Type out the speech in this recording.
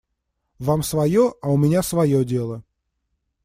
Вам свое, а у меня свое дело.